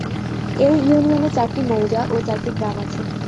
এই ইউনিয়নে চারটি মৌজা ও চারটি গ্রাম আছে।